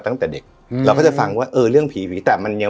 ตั้งแต่เด็กอืมเราก็จะฟังว่าเออเรื่องผีผีแต่มันยัง